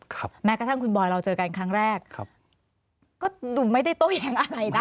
แม้กระทั่งคุณบอยเราเจอกันครั้งแรกครับก็ดูไม่ได้โต้แย้งอะไรนะ